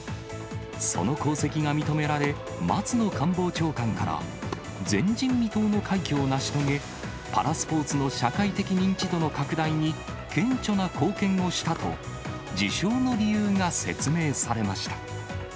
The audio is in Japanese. その功績が認められ、松野官房長官から、前人未到の快挙を成し遂げ、パラスポーツの社会的認知度の拡大に顕著な貢献をしたと、受賞の理由が説明されました。